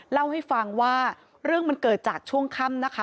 เล่าให้ฟังว่าเรื่องมันเกิดจากช่วงค่ำนะคะ